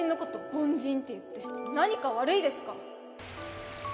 凡人って言って何か悪いですか？